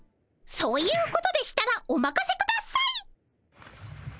そういうことでしたらおまかせください！